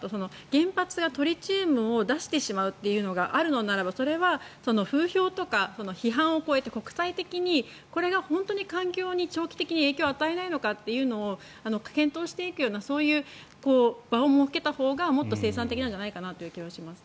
原発がトリチウムを出してしまうというのがあるのならばそれは風評とか批判を超えて国際的にこれが本当に環境に長期的に影響を与えないのかというのを検討していくようなそういう場を設けたほうがもっと生産的な気がします。